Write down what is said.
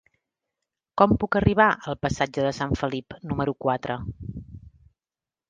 Com puc arribar al passatge de Sant Felip número quatre?